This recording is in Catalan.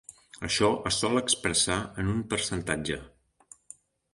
Això es sol expressar en un percentatge.